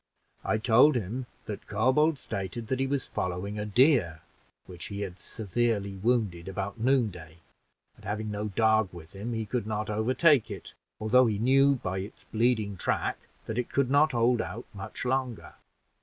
I told him that Corbould stated that he was following a deer, which he had severely wounded about noonday, and having no dog with him he could not overtake it, although he knew by its bleeding track that it could not hold out much longer.